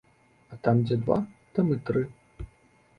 А там дзе два там і тры.